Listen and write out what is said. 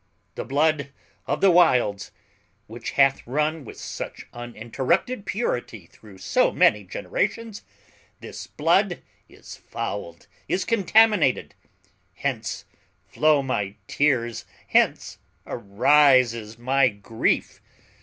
The blood of the Wilds, which hath run with such uninterrupted purity through so many generations, this blood is fouled, is contaminated: hence flow my tears, hence arises my grief.